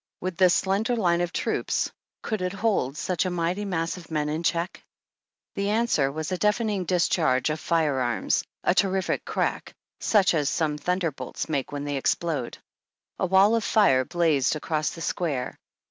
Would this slender line of troops, could it hold such a mighty mass of men in check ? The answer was a deafening discharge of firearms, a terrific crack, such as some thunder bolts make when they explode. A wall of fire blazed across the Square.